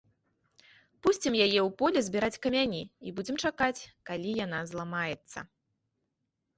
Пусцім яе ў поле збіраць камяні і будзем чакаць, калі яна зламаецца!